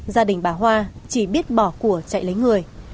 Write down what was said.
gia đình bà hoa chỉ biết bỏ của chạy lấy người